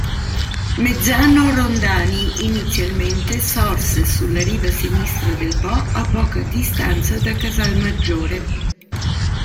Mezzano Rondani inizialmente sorse sulla riva sinistra del Po a poca distanza da Casalmaggiore.